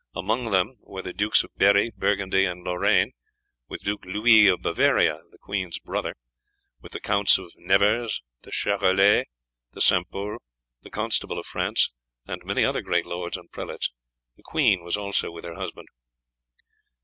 Among them were the Dukes of Berri, Burgundy, and Lorraine, with Duke Louis of Bavaria, the queen's brother, with the Counts de Nevers, De Charolais, De St. Pol, the Constable of France, and many other great lords and prelates. The queen was also with her husband.